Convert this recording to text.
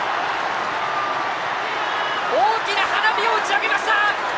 大きな花火を打ち上げました！